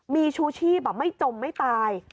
มีชูชีพไม่จมไม่ตาย